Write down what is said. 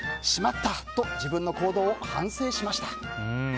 しまった！と自分の行動を反省しました。